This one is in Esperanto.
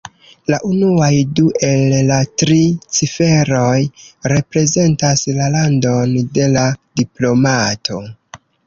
La unuaj du el la tri ciferoj reprezentas la landon de la diplomato.